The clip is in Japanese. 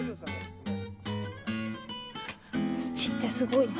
土ってすごいな。